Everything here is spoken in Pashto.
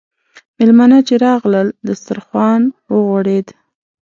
میلمانه چې راغلل، دسترخوان وغوړېد.